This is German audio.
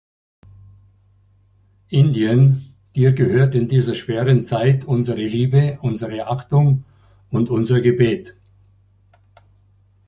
Indien, dir gehört in dieser schweren Zeit unsere Liebe, unsere Achtung und unser Gebet.